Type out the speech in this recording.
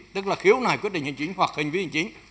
tức là khiếu nải quyết định hành chính hoặc hành vi hành chính